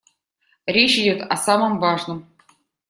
Речь идёт о самом важном.